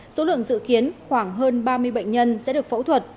số lượng dự kiến khoảng hơn ba mươi bệnh nhân sẽ được phẫu thuật